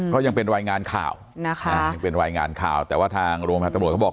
ก็ยังเป็นรายงานข่าวนะคะยังเป็นรายงานข่าวแต่ว่าทางโรงพยาบาลตำรวจเขาบอก